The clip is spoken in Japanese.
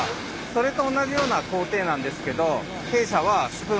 それと同じような工程なんですけど。